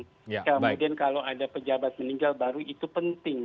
kemudian kalau ada pejabat meninggal baru itu penting